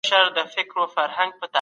دوهم ماشوم وروسته دئ.